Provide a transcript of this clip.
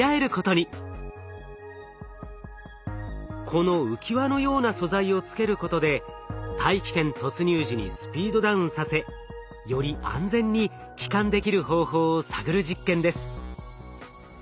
この浮き輪のような素材をつけることで大気圏突入時にスピードダウンさせより安全に帰還できる方法を探る実験です。